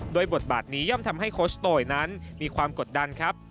โดยบทบาทนี้ย่อมทำให้โคชโตยนั้นมีความกดดันครับ